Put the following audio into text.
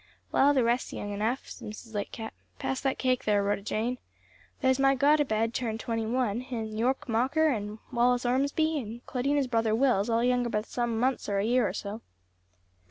"Well, the rest's young enough," said Mrs. Lightcap. "Pass that cake there, Rhoda Jane. There's my Gotobed just turned twenty one, and York Mocker, and Wallace Ormsby, and Claudina's brother Will's all younger by some months or a year or so."